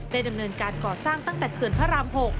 ได้ดำเนินการก่อสร้างตั้งแต่เผื่อราม๖